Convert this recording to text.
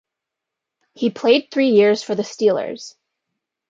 He played three years for the Steelers.